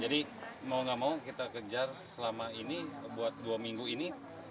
jadi mau nggak mau kita kejar selama ini buat dua minggu ini